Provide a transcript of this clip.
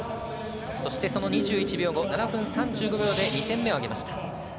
そしてその２１秒後、７分３５秒で２点目を挙げました。